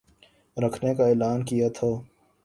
رکھنے کا اعلان کیا تھا